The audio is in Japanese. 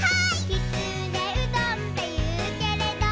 「きつねうどんっていうけれど」